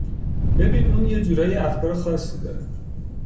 ببین اون یه جورایی افکار خاصی داره